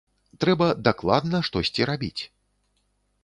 Трэба дакладна штосьці рабіць.